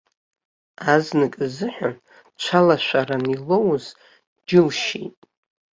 Азнык азыҳәан цәалашәаран илоуз џьылшьеит.